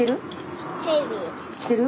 知ってる？